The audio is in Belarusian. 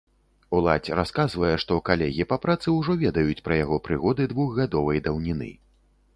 Уладзь расказвае, што калегі па працы ўжо ведаюць пра яго прыгоды двухгадовай даўніны.